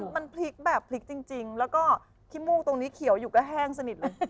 มันพลิกแบบพลิกจริงแล้วก็ขี้มูกตรงนี้เขียวอยู่ก็แห้งสนิทเลย